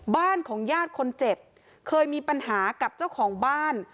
บ้านของญาติคนเจ็บเคยมีปัญหากับเจ้าของบ้าน